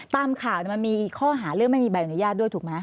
ตามข่าวมันมีข้อหาเรื่องไม่มีใบอนุญาตด้วยถูกไหม